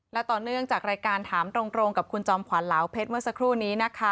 และต่อเนื่องจากรายการถามตรงกับคุณจอมขวัญเหลาเพชรเมื่อสักครู่นี้นะคะ